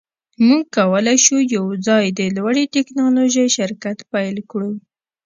موږ کولی شو یوځای د لوړې ټیکنالوژۍ شرکت پیل کړو